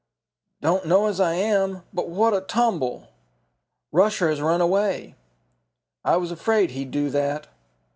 "Don't know as I am. But what a tumble!" "Rusher has run away!" "I was afraid he'd do that."